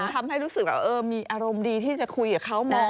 ทำให้รู้สึกว่ามีอารมณ์ดีที่จะคุยกับเขามอง